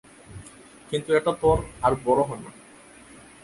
কিন্তু এটা তোর আর বড় হয় না।